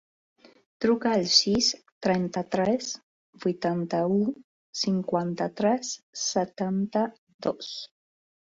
Truca al sis, trenta-tres, vuitanta-u, cinquanta-tres, setanta-dos.